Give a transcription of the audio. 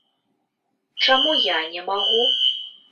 Чаму я не магу?